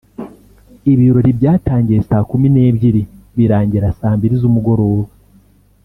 Ibirori byatangiye saa kumi n’ebyiri birangira saa mbiri z’umugoroba